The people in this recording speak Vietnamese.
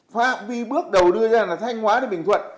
phạm vi bước đầu đưa ra là thanh hóa đến bình thuận